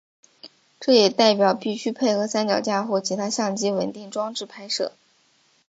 这也代表必须配合三脚架或其他相机稳定装置拍摄。